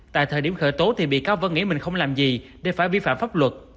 tại thời điểm khởi tố thì bị cáo vẫn nghĩ mình không làm gì để phải vi phạm pháp luật